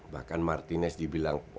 bahkan martinez dibilang